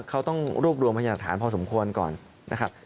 เขาต้องรวบรวมพยาหลักฐานพอสมควรก่อนนะครับ